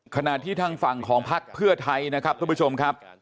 ขณะที่ทางฝั่งของพักเพื่อไทยนะครับทุกผู้ชมครับ